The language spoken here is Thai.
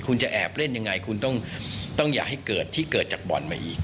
คุณจะแอบเล่นยังไงคุณต้องอย่าให้เกิดที่เกิดจากบ่อนมาอีก